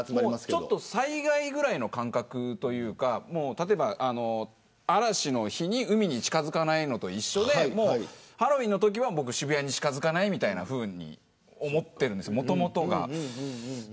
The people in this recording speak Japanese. ちょっと災害ぐらいの感覚というか例えば、嵐の日に海に近づかないのと一緒でハロウィーンのときは渋谷に近づかないというふうに思っています。